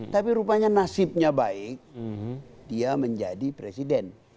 tapi rupanya nasibnya baik dia menjadi presiden